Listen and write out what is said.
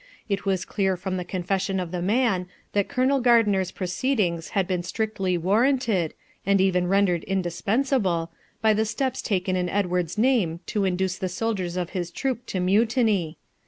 It was clear from the confession of the man that Colonel Gardiner's proceedings had been strictly warranted, and even rendered indispensable, by the steps taken in Edward's name to induce the soldiers of his troop to mutiny.